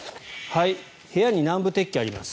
部屋に南部鉄器があります。